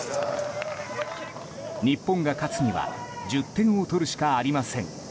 日本が勝つには１０点を取るしかありません。